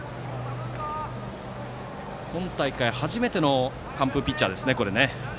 今大会初めての完封ピッチャーですね。